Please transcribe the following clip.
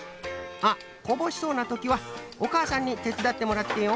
あっこぼしそうなときはおかあさんにてつだってもらってよ。